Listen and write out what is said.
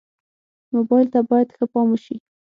موبایل ته باید ښه پام وشي.